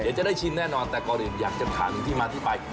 เดี๋ยวจะได้ชิมแน่นอนแต่ก่อนอื่นอยากจะถามถึงที่มาที่ไป